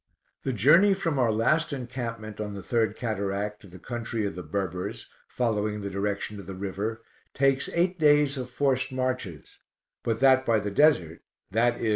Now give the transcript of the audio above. The journey from our last encampment on the third cataract to the country of the Berbers, following the direction of the river, takes eight days of forced marches, but that by the desert, i.e.